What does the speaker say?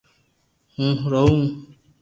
ھون رووُ